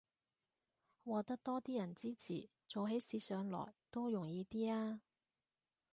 獲得多啲人支持，做起事上來都容易啲吖